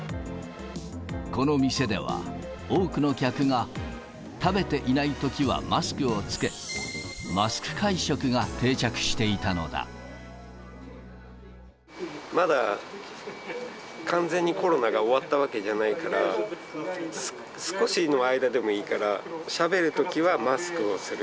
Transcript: この店では、多くの客が食べていないときはマスクを着け、まだ完全にコロナが終わったわけじゃないから、少しの間でもいいから、しゃべるときはマスクをする。